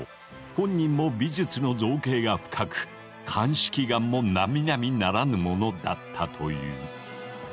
本人も美術の造詣が深く鑑識眼もなみなみならぬものだったという。